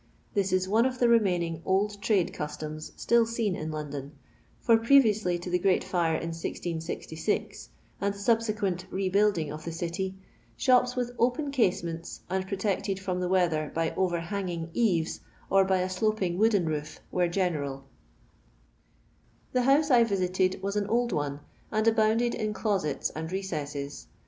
This is one of the remaining old trade customs still seen in London ; for previously to the ^;reat fire in 1666, and the subsequent re building of the city, shops with open casements, aud protected from the weather by overhanging eaves, w by a sloping wooden roof, were general The honie I visited was an old one, and abounded in closets and recesses.